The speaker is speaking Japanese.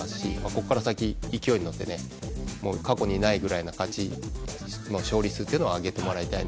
ここから先、勢いに乗って過去にないくらいの勝利数を挙げてもらいたい。